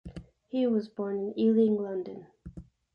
He was born in Ealing, London.